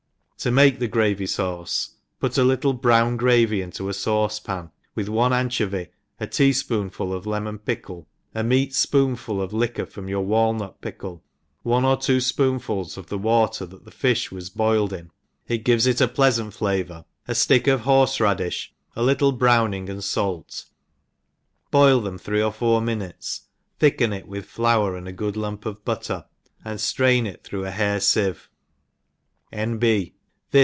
To make the gravy fauce, put a little brown gravy into a fauce pan, with one anchovy, a tea fpoonful of lemon pickle, a meat fpoonful of liquor from your walnut pickle, one or two fpoonfuls of the water that the fi(h w^s boiled in; it gives it a pleafant flavour; a flick of horfe radifh, a little browning and fait; boil them three or four minutes, thicken it with flour and a good lump Qf butter^ and ftrain it through a hair J ENGLISH HOUSE.KEEPER; 25 hair fieve, ■■ N. B.